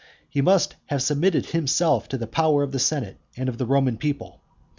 He must have submitted himself to the power of the senate and of the Roman people.